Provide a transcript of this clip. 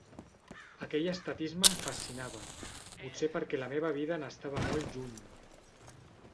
Aquell estatisme em fascinava, potser perquè la meva vida n'estava molt lluny.